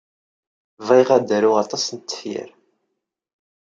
Bɣiɣ ad d-aruɣ aṭas n tefyar.